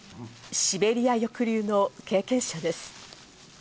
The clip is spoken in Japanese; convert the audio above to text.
シベリア抑留の経験者です。